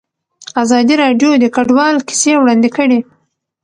ازادي راډیو د کډوال کیسې وړاندې کړي.